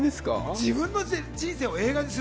自分の人生を映画にする。